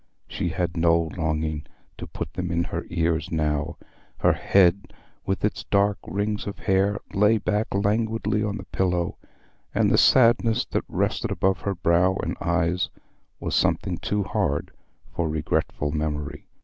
She had no longing to put them in her ears now: her head with its dark rings of hair lay back languidly on the pillow, and the sadness that rested about her brow and eyes was something too hard for regretful memory.